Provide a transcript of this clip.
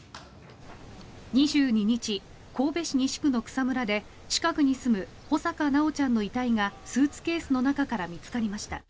２２日、神戸市西区の草むらで近くに住む穂坂修ちゃんの遺体がスーツケースの中から見つかりました。